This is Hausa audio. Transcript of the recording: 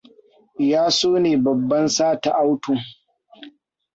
Ya so ne babban sata auto.